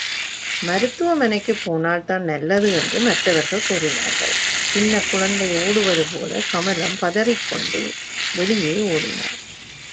மருத்துவமனைக்குப் போனால்தான் நல்லது என்று மற்றவர்கள் கூறினார்கள், சின்னக் குழந்தை ஓடுவதுபோல, கமலம் பதறிக் கொண்டே வெளியே ஓடினாள்.